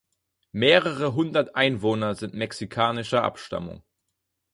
Mehrere Hundert Einwohner sind mexikanischer Abstammung.